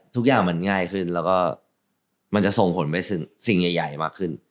ทุกอย่างมันง่ายขึ้นแล้วก็มันจะส่งผลไปสิ่งใหญ่มากขึ้น